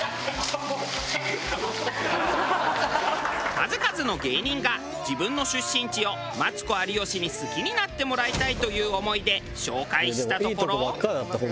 数々の芸人が自分の出身地をマツコ有吉に好きになってもらいたいという思いで紹介したところ。